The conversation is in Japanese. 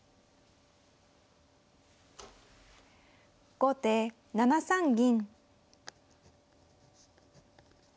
後手７三銀。